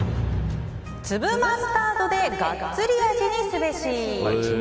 粒マスタードでガッツリ味にすべし。